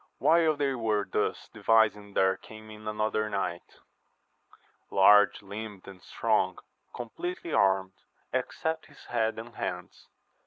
HILE they were thus devising there came in another knight, large limbed and strong, compleatly armed, except his head and hands.